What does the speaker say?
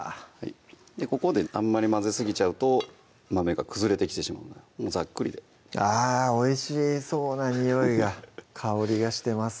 ここであんまり混ぜすぎちゃうと豆が崩れてきてしまうのでざっくりであぁおいしそうなにおいが香りがしてます